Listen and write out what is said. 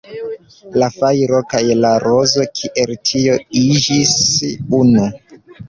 La fajro kaj la rozo, kiel tio, iĝis unu.